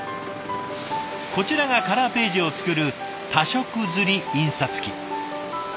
こちらがカラーページを作る多色刷り印刷機。